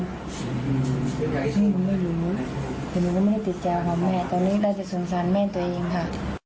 เดี๋ยวหนูก็ไม่รู้เดี๋ยวหนูก็ไม่ได้ติดใจเอาความแม่ตอนนี้ก็จะสงสัยแม่ตัวเองค่ะ